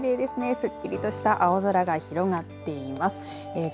すっきりとした青空が広がっています。